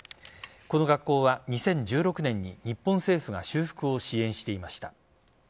この学校は２０１６年に日本政府が修復を支援していました。